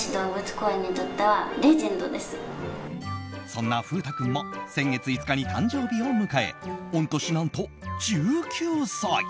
そんな風太君も先月５日に誕生日を迎え御年、何と１９歳。